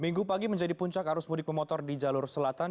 minggu pagi menjadi puncak arus mudik pemotor di jalur selatan